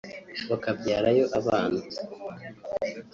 bakabyarayo abana